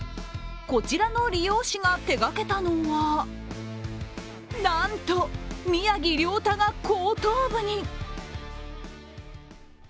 こちらの理容師が手がけたのはなんと宮城リョータが後頭部に。